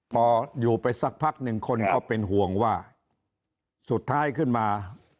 พออยู่ไปสักพักหนึ่งคนก็เป็นห่วงว่าสุดท้ายขึ้นมา